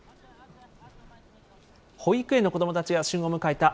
保育園の子どもたちが旬を迎えた